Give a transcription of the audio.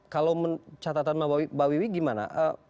kalau catatan mbak wiwi gimana